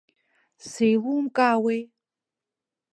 Сеилумкаауеи?